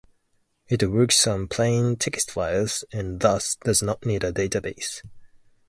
It works on plain text files and thus does not need a database.